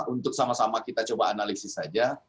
untuk sama sama kita coba analisis saja